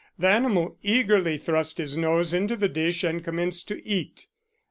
The animal eagerly thrust his nose into the dish and commenced to eat.